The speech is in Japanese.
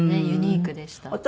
ユニークでした。